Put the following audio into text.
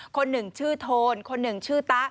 คนหนึ่งชื่อโทนคนหนึ่งชื่อตะ